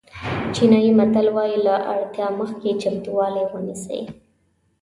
چینایي متل وایي له اړتیا مخکې چمتووالی ونیسئ.